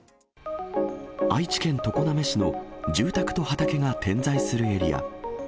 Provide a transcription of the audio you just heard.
愛知県常滑市の住宅と畑が点在するエリア。